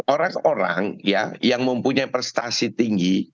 orang orang yang mempunyai prestasi tinggi